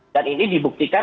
dan ini dibuktikan